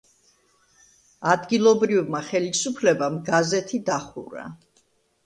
ადგილობრივმა ხელისუფლებამ გაზეთი დახურა.